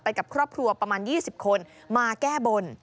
กับครอบครัวประมาณ๒๐คนมาแก้บน